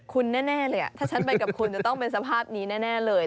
คุณแน่เลยถ้าฉันไปกับคุณจะต้องเป็นสภาพนี้แน่เลย